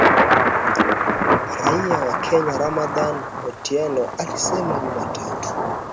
raia wa Kenya Ramadan Otyeno alisema Jumatatu